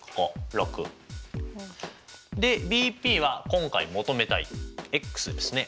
６。でＢＰは今回求めたいｘですね。